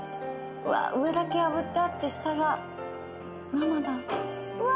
うわっ上だけあぶってあって下が生だうわ！